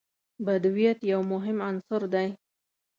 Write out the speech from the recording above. بدویت یو مهم عنصر دی.